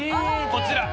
こちら。